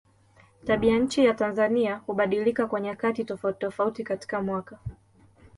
Tabianchi ya Tanzania hubadilika kwa nyakati tofautitofauti katika mwaka.